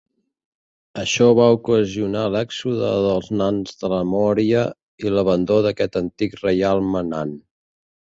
Això va ocasionar l'èxode dels nans de la Mòria i l'abandó d'aquest antic reialme nan.